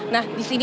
nah di sini